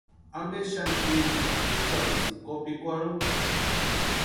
¿Ampe xani kwʼinchikwa úkwarhisïnki kopikwarhu?